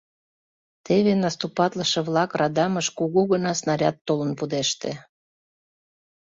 Теве наступатлыше-влак радамыш кугу гына снаряд толын пудеште.